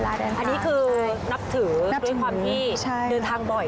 อันนี้คือนับถือด้วยความที่เดินทางบ่อย